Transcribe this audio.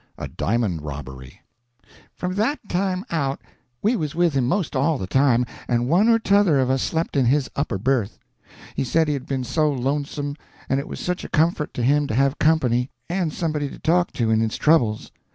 A DIAMOND ROBBERY From that time out, we was with him 'most all the time, and one or t'other of us slept in his upper berth. He said he had been so lonesome, and it was such a comfort to him to have company, and somebody to talk to in his troubles.